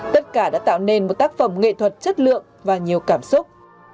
tất cả đã tạo nên một tác phẩm nghệ thuật chất lượng và nhiều cảm xúc